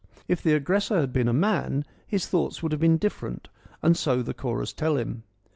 If the aggressor had been a man, his thoughts would have been different and so the chorus tell him.